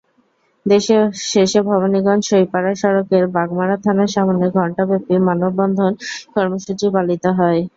শেষে ভবানীগঞ্জ-সইপাড়া সড়কের বাগমারা থানার সামনে ঘণ্টাব্যাপী মানববন্ধন কর্মসূচি পালিত হয়।